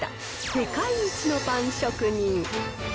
世界一のパン職人。